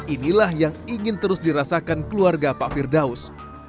inilah yang ingin terus dirasakan keluarga pak firdaus